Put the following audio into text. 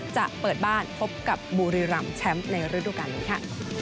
จะเปิดบ้านพบกับบุรีรำแชมป์ในฤดูการนี้ค่ะ